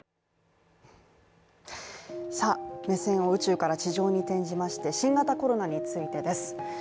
目線を宇宙から地上に転じまして新型コロナについてです。